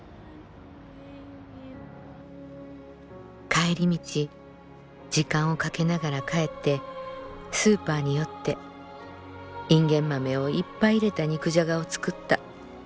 「帰り道時間をかけながら帰ってスーパーに寄ってインゲン豆をいっぱい入れた肉じゃがを作った。